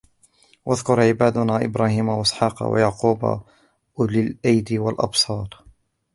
وَاذْكُرْ عِبَادَنَا إِبْرَاهِيمَ وَإِسْحَاقَ وَيَعْقُوبَ أُولِي الْأَيْدِي وَالْأَبْصَارِ